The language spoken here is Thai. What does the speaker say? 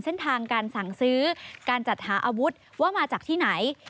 เส้นทางการสั่งซื้อการจัดหาอาวุธว่ามาจากที่ไหน